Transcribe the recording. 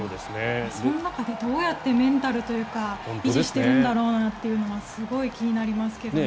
その中でどうやってメンタルというか維持しているんだろうなっていうのはすごい気になりますけどね。